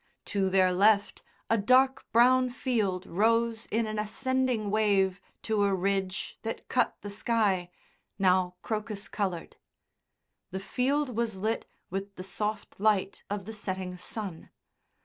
To their left a dark brown field rose in an ascending wave to a ridge that cut the sky, now crocus coloured. The field was lit with the soft light of the setting sun.